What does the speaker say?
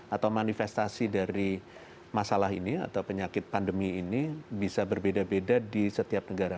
atau manifestasi dari masalah ini atau penyakit pandemi ini bisa berbeda beda di setiap negara